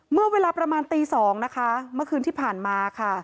เมื่อเวลาประมาณตี๒นะคะเมื่อคืนที่ผ่านมาค่ะ